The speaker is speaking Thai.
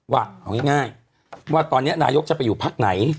ว่าเอาง่ายว่าตอนนี้นายกจะไปอยู่พักไหน